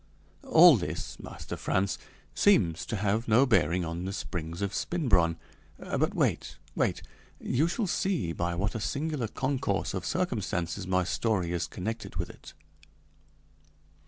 All this, Master Frantz, seems to have no bearing on the springs of Spinbronn. But wait, wait you shall see by what a singular concourse of circumstances my story is connected with it.